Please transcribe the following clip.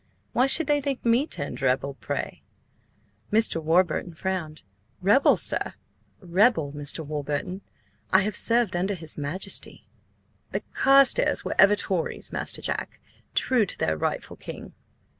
Why should they think me turned rebel, pray?" Mr. Warburton frowned. "Rebel, sir?" "Rebel, Mr. Warburton. I have served under his Majesty." "The Carstares were ever Tories, Master Jack, true to their rightful king."